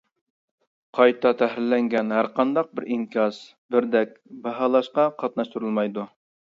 قايتا تەھرىرلەنگەن ھەرقانداق بىر ئىنكاس بىردەك باھالاشقا قاتناشتۇرۇلمايدۇ.